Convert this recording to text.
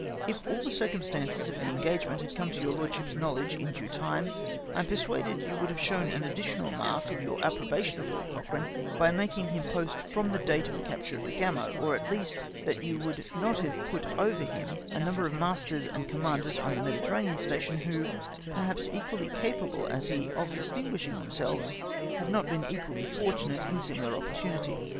*' If all the circumstances of the engagement had come to your Lordship's knowledge in due time, I am persuaded you would have shown an additional mark of your approbation of Lord Cochrane by making him post from the date of the capture of the Gamo, or, at least, that you would not have put over him a number of masters and commanders on the Mediterranean station, who, perhaps equally capable as he of distinguishing themselves, have not been equally fortunate in similar opportunities.